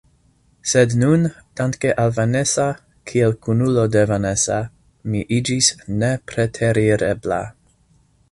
Sed nun, danke al Vanesa, kiel kunulo de Vanesa, mi iĝis nepreterirebla.